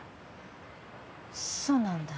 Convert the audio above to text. そうなんだ。